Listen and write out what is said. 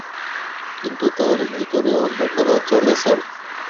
কিন্তু তার ভিতরে অন্য খেলা চলে, স্যার।